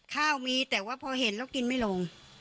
ข้าวมีแต่ว่าพอเห็นแล้วกินไม่ลงเหมือนของเรือเดนเนี่ย